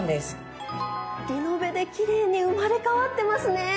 リノベできれいに生まれ変わってますね。